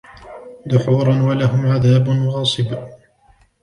دحورا ولهم عذاب واصب